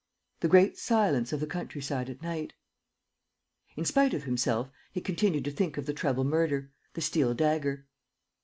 The great silence of the countryside at night. ... In spite of himself, he continued to think of the treble murder, the steel dagger.